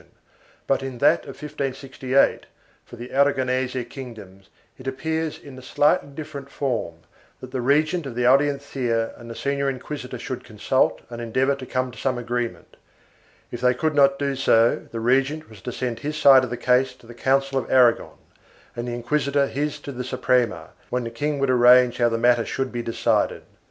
It is remark able that, in the Valencia Concordia of 1554, there is no such provision, but in that of 1568, for the Aragonese kingdoms, it appears in the slightly different form that the regent of the Audiencia and the senior inquisitor should consult and endeavor to come to some agreement. If they could not do so, the regent was to send his side of the case to the Council of Aragon and the inquisitor his to the Suprema, when the king would arrange how the matter should be decided.